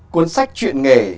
cuốn sách chuyện nghề